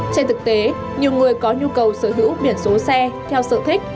trên thực tế nhiều người có nhu cầu sở hữu biển số xe theo sở thích